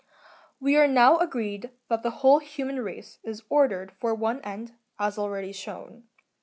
3.'We are now agreed that the whole human race is ordered for one end, as already shown.